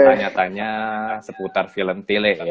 tanya tanya seputar film tile ya